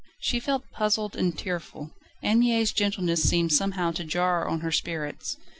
She felt puzzled and tearful. Anne Mie's gentleness seemed somehow to jar on her spirits.